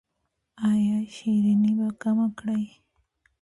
ایا شیریني به کمه کړئ؟